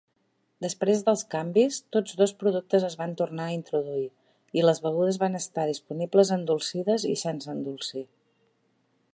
Després dels canvis, tots dos productes es van tornar a introduir, i les begudes van estar disponibles endolcides i sense endolcir.